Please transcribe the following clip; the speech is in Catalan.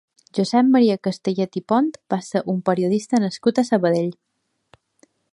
Josep Maria Castellet i Pont va ser un periodista nascut a Sabadell.